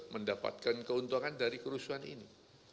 mendapatkan keuntungan dari kerusuhan ini